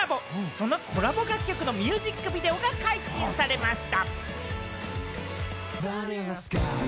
そのコラボ楽曲のミュージックビデオが解禁されました。